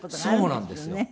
そうなんですよ。